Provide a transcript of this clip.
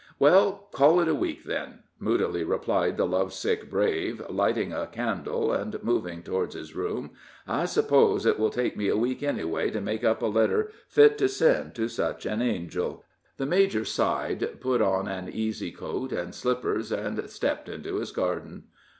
"Well, call it a week, then," moodily replied the love sick brave, lighting a candle, and moving toward his room. "I suppose it will take me a week, anyway, to make up a letter fit to send to such an angel." The major sighed, put on an easy coat and slippers, and stepped into his garden.